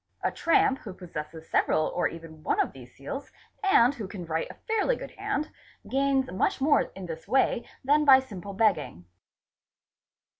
A tramp _ who possesses several or even one of these seals, and who can write a _ fairly good hand, gains much more in this way than by simple begging.